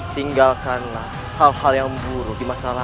tinggalkanlah hal hal yang buruk di masa lalu